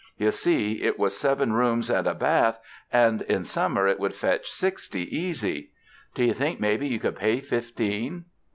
You see, it has seven rooms and a bath, and in summer it would fetch sixty, easy. Do you think maybe you could pay fifteen?"